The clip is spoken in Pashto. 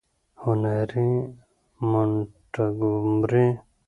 - هنري مونټګومري :